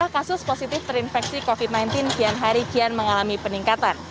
kasus positif terinfeksi covid sembilan belas kian hari kian mengalami peningkatan